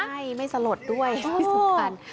ใช่ไม่สลดด้วยที่สำคัญ